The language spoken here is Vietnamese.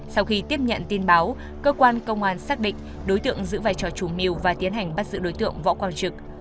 sau khi tiếp nhận tin báo cơ quan công an xác định đối tượng giữ về cho chú miu và tiến hành bắt giữ đối tượng võ quang trực